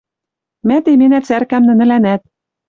Мӓ теменӓ цӓркӓм нӹнӹлӓнӓт.